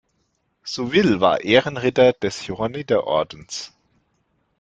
Souville war Ehrenritter des Johanniterordens.